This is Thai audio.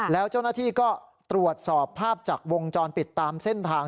แล้วเจ้าหน้าที่ก็ตรวจสอบภาพจากวงจรปิดตามเส้นทาง